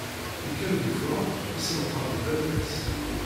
Ikker-d ufrux isselqeḍ baba-s.